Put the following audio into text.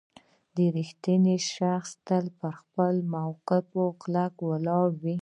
• رښتینی شخص تل پر خپل موقف کلک ولاړ وي.